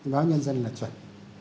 báo nhân dân là chuẩn